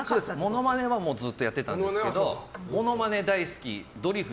モノマネはずっとやってたんですけどモノマネ大好き、ドリフ